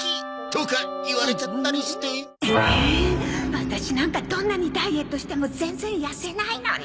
ワタシなんかどんなにダイエットしても全然痩せないのに！